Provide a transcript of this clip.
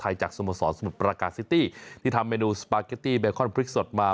ที่ชัดท้ายจากสมสรรค์ปราการซิตตี้ที่ทำเมนูสปาเกตตี้แบคคอนพริกสดมา